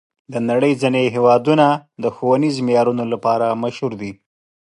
د نړۍ ځینې هېوادونه د ښوونیزو معیارونو لپاره مشهور دي.